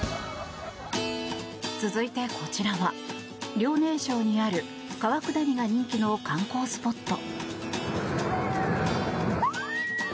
続いてこちらは、遼寧省にある川下りが人気の観光スポット。